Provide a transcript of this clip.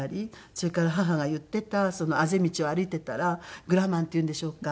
それから母が言っていたあぜ道を歩いていたらグラマンっていうんでしょうか。